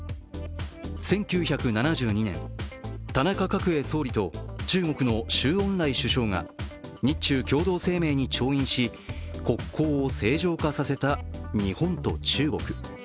１９７２年、田中角栄総理と中国の周恩来首相が日中共同声明に調印し国交を正常化させた日本と中国。